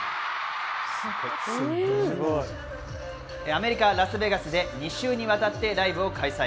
アメリカ・ラスベガスで２週にわたってライブを開催。